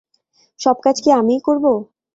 সব কাজ কি আমিই করবো?